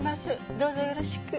どうぞよろしく。